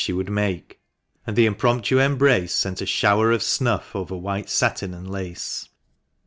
389 she would make ; and the impromptu embrace sent a shower of snuff over white satin and lace.